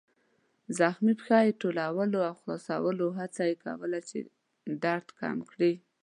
زخمي پښه يې ټولول او خلاصول، هڅه یې کوله چې درد کم کړي.